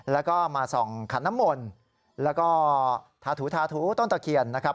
แล้วก็มาส่องขันน้ำมนต์แล้วก็ทาถูทาถูต้นตะเคียนนะครับ